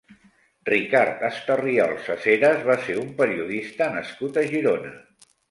Ricard Estarriol Saseras va ser un periodista nascut a Girona.